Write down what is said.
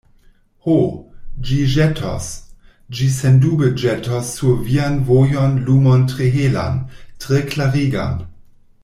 Ho, ĝi ĵetos, ĝi sendube ĵetos sur vian vojon lumon tre helan, tre klarigan!